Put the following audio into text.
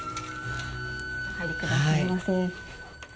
お入りくださいませ。